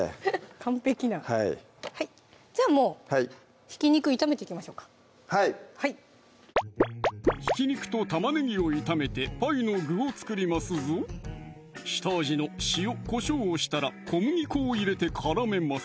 完璧なはいじゃあもうひき肉炒めていきましょうかはいひき肉と玉ねぎを炒めてパイの具を作りますぞ下味の塩・こしょうをしたら小麦粉を入れて絡めます